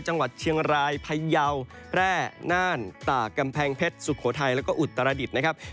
จังหวัดเชียงรายพยาวแร่น่านตากกำแพงเพชรสุโขทัยแล้วก็อุตรดิษฐ์นะครับ